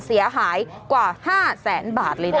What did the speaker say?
เสียหายกว่า๕แสนบาทเลยนะ